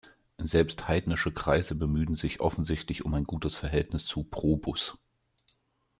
Selbst heidnische Kreise bemühten sich offensichtlich um ein gutes Verhältnis zu Probus.